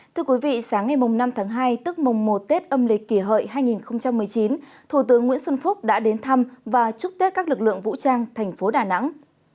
tức mùng một tết âm lịch kỷ hợi hai nghìn một mươi chín thủ tướng nguyễn xuân phúc đã đến thăm và chúc tết các lực lượng vũ trang thành phố đà nẵng